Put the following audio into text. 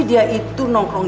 play yang teeth set ini ya